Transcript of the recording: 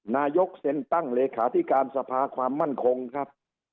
นายกเซ็นตั้งเลขาธิการสภาความมั่นคงครับ